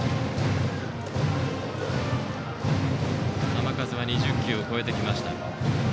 球数は２０球を超えてきました。